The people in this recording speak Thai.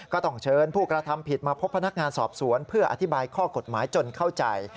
ก็ต้องเชิญผู้กระทำผิดมาพบพนักงานสอบสวนเพื่ออธิบายข้อกฎหมายจนเข้าใจ